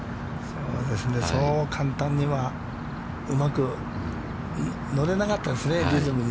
そう簡単にはうまく乗れなかったですね、リズムに。